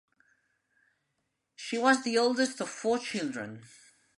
She was the oldest of four children.